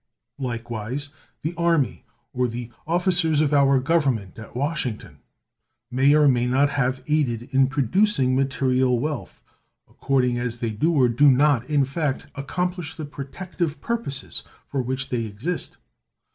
Likewise the army, or the officers of our government at Washington, may or may not have aided in producing material wealth according as they do or do not, in fact, accomplish the protective purposes for which they exist.